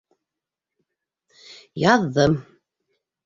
Яҙҙым.